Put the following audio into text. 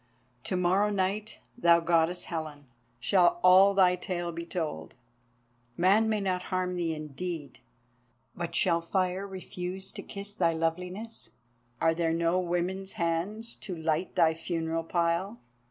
To morrow night, thou Goddess Helen, shall all thy tale be told. Man may not harm thee indeed, but shall fire refuse to kiss thy loveliness? Are there no women's hands to light thy funeral pile?"